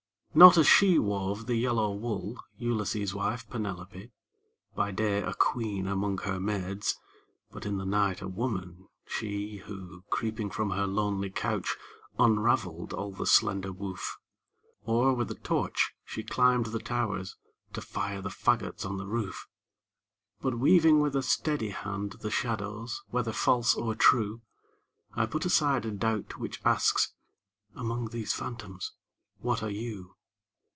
Not as she wove the yellow wool, Ulysses' wife, Penelope; By day a queen among her maids, But in the night a woman, she, Who, creeping from her lonely couch, Unraveled all the slender woof; Or, with a torch, she climbed the towers, To fire the fagots on the roof! But weaving with a steady hand The shadows, whether false or true, I put aside a doubt which asks "Among these phantoms what are you?"